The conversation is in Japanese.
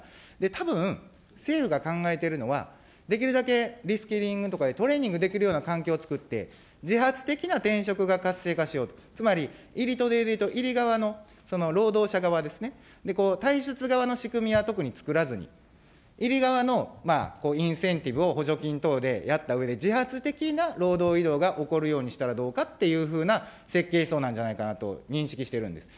たぶん、政府が考えているのは、できるだけリスキリングとか、トレーニングできるような環境をつくって、自発的な転職が活性化しよう、つまり、入りと出でいうと入り側のその労働者側ですね、退出側の仕組みは特に作らずに、入り側のインセンティブを補助金等でやったうえで、自発的な労働移動が起こるようにしたらどうかというような設計思想なんじゃないかなと認識しているんです。